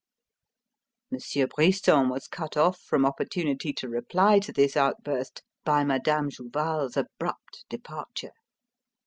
Monsieur Brisson was cut off from opportunity to reply to this outburst by Madame Jouval's abrupt departure.